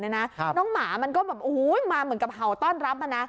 น้องหมามันก็มาเหมือนกับเฮาต้อนรับ